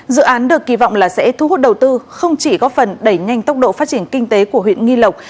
dự án được kỳ vọng là sẽ thu hút đầu tư không chỉ góp phần đẩy nhanh tốc độ phát triển kinh tế của huyện nghi lộc